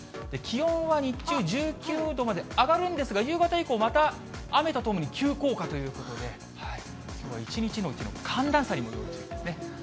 気温は日中１９度まで上がるんですが、夕方以降、また雨とともに急降下ということで、きょうは一日のうちの寒暖差にも要注意ですね。